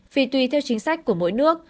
vì tùy theo chính sách của mỗi nước